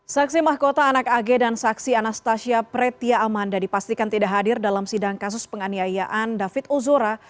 saksi mahkota anak ag dan saksi anastasia pretia amanda dipastikan tidak hadir dalam sidang kasus penganiayaan david ozora